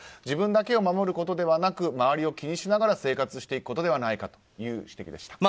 自分だけを守ることではなく周りを気にしながら生活していくことでないかという指摘です。